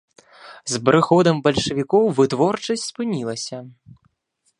З прыходам бальшавікоў вытворчасць спынілася.